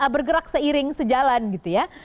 bergerak seiring sejalan gitu ya